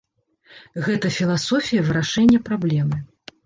Гэта філасофія вырашэння праблемы.